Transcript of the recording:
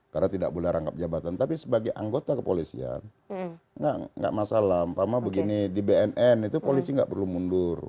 karena tidak boleh rangkap jabatan tapi sebagai anggota kepolisian tidak masalah pertama begini di bnn itu polisi tidak perlu mundur